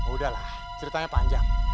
udah lah ceritanya panjang